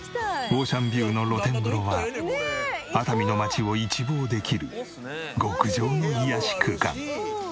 オーシャンビューの露天風呂は熱海の街を一望できる極上の癒やし空間。